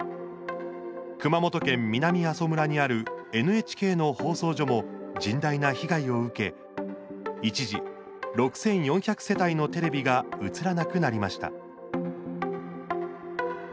熊本県南阿蘇村にあるＮＨＫの放送所も甚大な被害を受け一時、６４００世帯のテレビが映らなくなりました。